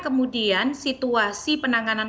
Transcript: kemudian situasi penanganan